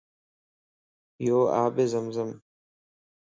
يو آبِ زم زمَ